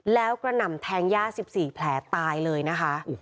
แล้วกระหน่ำแทงย่า๑๔แผลตายเลยนะคะ